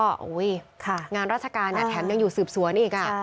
โอ้ยงานราชการเนี่ยแถมยังอยู่สืบสวนอีกอ่ะ